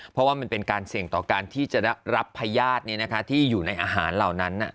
เพราะว่ามันเป็นการเสี่ยงต่อการที่จะได้รับพญาติที่อยู่ในอาหารเหล่านั้น